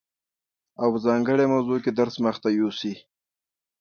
او په ځانګړي موضوع کي درس مخته يوسي،